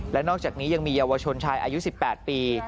และนอกจากนี้ยังมีเยาวชนชายอายุ๑๘ปี